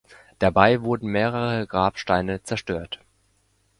Dabei wurden mehrere Grabsteine zerstört.